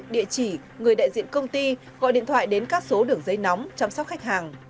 địa chỉ người đại diện công ty gọi điện thoại đến các số đường dây nóng chăm sóc khách hàng